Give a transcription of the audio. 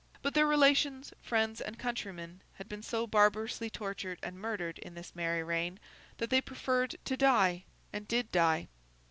But their relations, friends, and countrymen, had been so barbarously tortured and murdered in this merry reign, that they preferred to die, and did die.